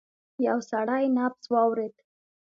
يو سړی نبض واورېد.